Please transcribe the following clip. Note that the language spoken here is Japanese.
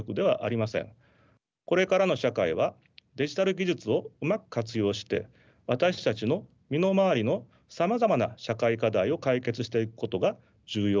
これからの社会はデジタル技術をうまく活用して私たちの身の回りのさまざまな社会課題を解決していくことが重要となります。